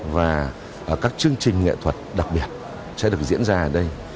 và các chương trình nghệ thuật đặc biệt sẽ được diễn ra ở đây